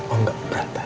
oh tidak keberatan